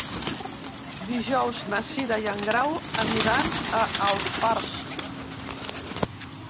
Dijous na Cira i en Grau aniran a Alfarb.